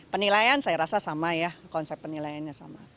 penilaian saya rasa sama ya konsep penilaiannya sama